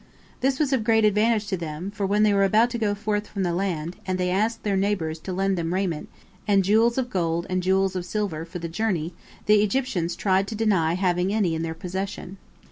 This was of great advantage to them, for when they were about to go forth from the land, and they asked their neighbors to lend them raiment, and jewels of gold and jewels of silver, for the journey, the Egyptians tried to deny having any in their possession.